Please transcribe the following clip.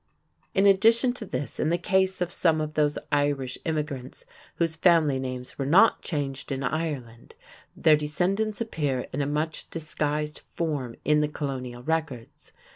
In addition to this, in the case of some of those Irish immigrants whose family names were not changed in Ireland, their descendants appear in a much disguised form in the colonial records.